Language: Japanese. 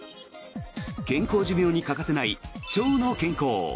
健康寿命に欠かせない腸の健康。